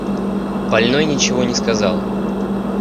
Больной ничего не сказал.